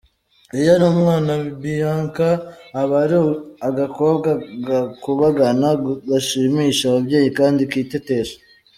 Iyo ari umwana Bianca aba ari agakobwa gakubagana, gashimisha ababyeyi kandi kitetesha.